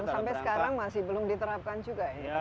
sekarang masih belum diterapkan juga ya